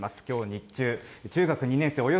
きょう日中、中学２年生